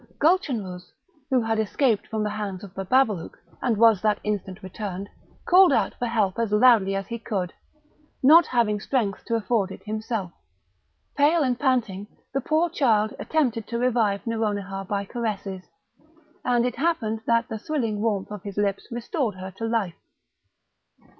Gulchenrouz, who had escaped from the hands of Bababalouk, and was that instant returned, called out for help as loudly as he could, not having strength to afford it himself. Pale and panting, the poor child attempted to revive Nouronihar by caresses; and it happened that the thrilling warmth of his lips restored her to life.